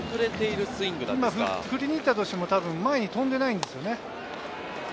振りに行ったとしても前に飛んでないんですよね。